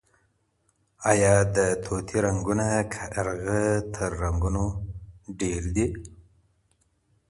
آیا د طوطي رنګونه کارغه تر رنګونو ډېر دي؟